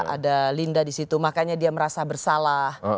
ada linda disitu makanya dia merasa bersalah